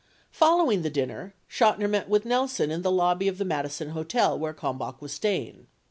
Following the dinner, Chotiner met with Nelson in the lobby of the Madison Hotel, where Kalmbach was staying.